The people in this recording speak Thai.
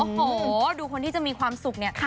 โอ้โหดูคนที่จะมีความสุขเนี่ย